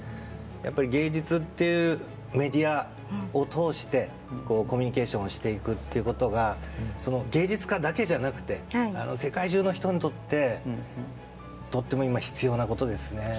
芸術というメディアを通してコミュニケーションをしていくことが芸術家だけじゃなくて世界中の人にとってとても今、必要なことですね。